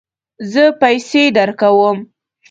زه پیسې درکوم